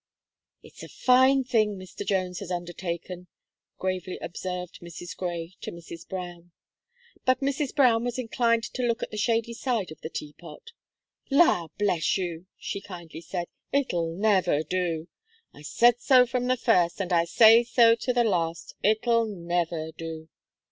"It's a fine thing Mr. Jones has undertaken," gravely observed Mrs. Gray to Mrs. Brown. But Mrs. Brown was inclined to look at the shady side of the Tea pot. "La bless you!" she kindly said, "it'll never do. I said so from the first, and I say so the last, it'll never do!"